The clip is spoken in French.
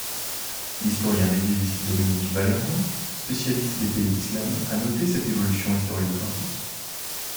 L'historien médiéviste Dominique Valérian, spécialiste des pays d'Islam, a noté cette évolution historiographique.